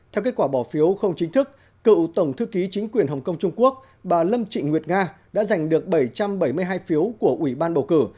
theo kết quả bỏ phiếu không chính thức cựu tổng thư ký chính quyền hồng kông trung quốc bà lâm trịnh nguyệt nga đã giành được bảy trăm bảy mươi hai phiếu của ủy ban bầu cử